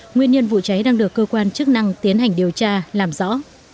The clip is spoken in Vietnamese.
nguyên nhân vụ cháy đang được cơ quan chức năng tiến hành điều tra làm rõ